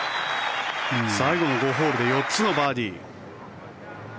最後の５ホールで４つのバーディー。